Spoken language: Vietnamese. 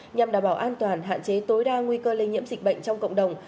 nhằm đảm bảo an toàn hạn chế tối đa nguy cơ lây nhiễm dịch bệnh trong cộng đồng